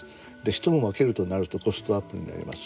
人も分けるとなるとコストアップになります。